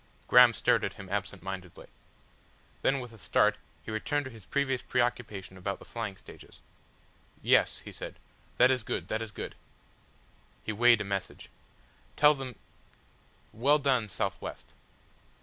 Graham stared at him absent mindedly. Then with a start he returned to his previous preoccupation about the flying stages. "Yes," he said. "That is good, that is good." He weighed a message. "Tell them; well done South West."